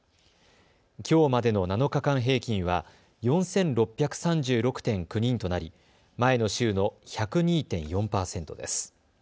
きょうまでの７日間平均は４６３６．９人となり前の週の１０２．４％です。